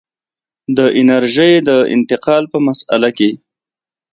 د انرژۍ د انتقال په مسأله کې.